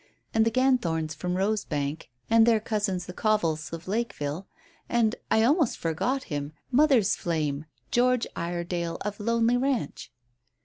And the Ganthorns from Rosebank and their cousins the Covills of Lakeville. And I almost forgot him mother's flame, George Iredale of Lonely Ranch."